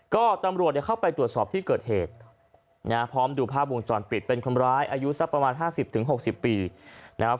ก็ตำรวจเนี่ยเข้าไปตรวจสอบที่เกิดเหตุนะฮะพร้อมดูภาพวงจรปิดเป็นคนร้ายอายุสักประมาณ๕๐๖๐ปีนะครับ